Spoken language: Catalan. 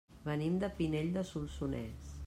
Venim de Pinell de Solsonès.